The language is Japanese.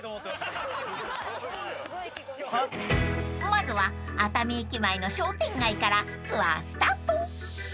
［まずは熱海駅前の商店街からツアースタート］